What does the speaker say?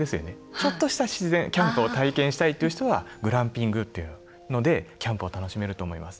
ちょっとした自然、キャンプを体験したいという人はグランピングというのでキャンプを楽しめると思います。